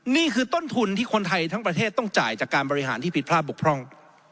นี่คือต้นทุนที่คนไทยทั้งประเทศต้องจ่ายจากการบริหารที่ผิดพลาดบกพร่อง